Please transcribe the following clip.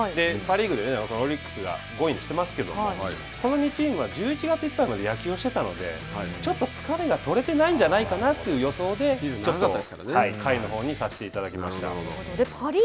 パ・リーグでオリックスが５位にしていますけどこの２チームは１１月いっぱいまで野球をしていたのでちょっと疲れが取れてないんじゃないかなという予想で下位のほうにさせていただきました。